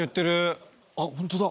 あっホントだ。